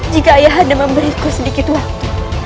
jika ayah hanya memberiku sedikit waktu